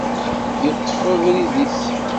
Yeṭṭef abrid-is.